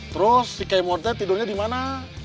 terus si kemote tidurnya di mana